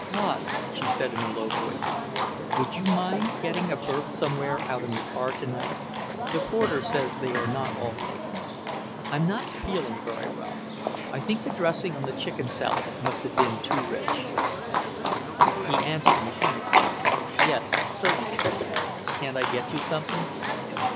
"Claude," she said in a low voice, "would you mind getting a berth somewhere out in the car tonight? The porter says they are not all taken. I'm not feeling very well. I think the dressing on the chicken salad must have been too rich." He answered mechanically. "Yes, certainly. Can't I get you something?"